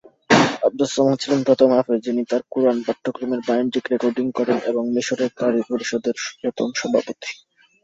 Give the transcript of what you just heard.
আবদুস-সামাদ ছিলেন প্রথম হাফেজ, যিনি তার কুরআন পাঠ্যক্রমের বাণিজ্যিক রেকর্ডিং করেন, এবং মিশরের ক্বারী পরিষদের প্রথম সভাপতি।